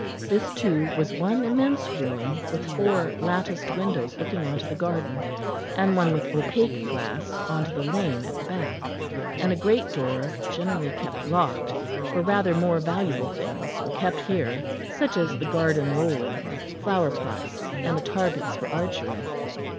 This, too, was one immense room, with four latticed windows looking on to the garden, and one with opaque glass on to the lane at the back; and a great door, generally kept locked, for rather more valuable things were kept here, such as the garden roller, flower pots, and the targets for archery.